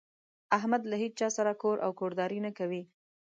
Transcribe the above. احمد له هيچا سره کور او کورداري نه کوي.